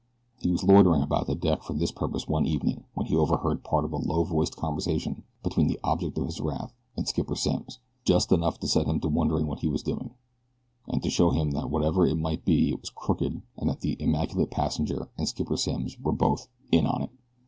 He was loitering about the deck for this purpose one evening when he overheard part of a low voiced conversation between the object of his wrath and Skipper Simms just enough to set him to wondering what was doing, and to show him that whatever it might be it was crooked and that the immaculate passenger and Skipper Simms were both "in on it."